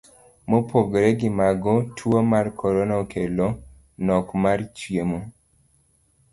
Mopogore gi mago, tuo mar korona okelo nok mar chiemo.